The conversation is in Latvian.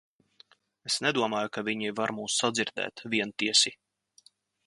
Es nedomāju, ka viņi var mūs sadzirdēt, vientiesi!